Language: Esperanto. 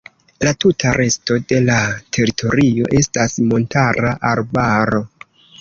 La tuta resto de la teritorio estas montara arbaro.